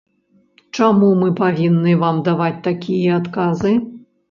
Чаму мы павінны вам даваць такія адказы?